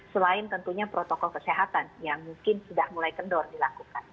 selain tentunya protokol kesehatan yang mungkin sudah mulai kendor dilakukan